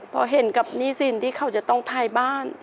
พอเห็นกับหนี้สินที่เขาจะต้องทายบ้าน